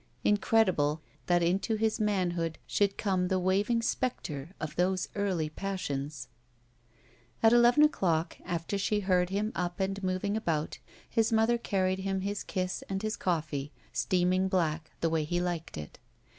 Incredible that into his manhood should come the waving specter of those early passions. At eleven o'clock, after she heard him up and moving about, his mother carried him his kiss and his coffee, steaming black, the way he liked it.